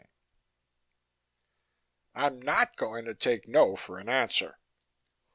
4 "I'm not going to take no for an answer."